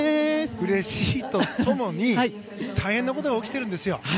うれしいと共に大変なことが起きてるんですよ。